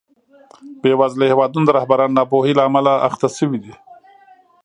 بېوزله هېوادونه د رهبرانو ناپوهۍ له امله اخته شوي دي.